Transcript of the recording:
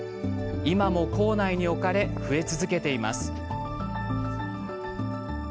今も構内に置かれ増え続けています。